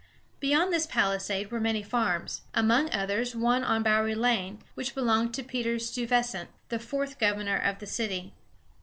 Beyond this palisade were many farms, among others one on Bowery Lane, which belonged to Peter Stuȳ´ves ant, the fourth governor of the city.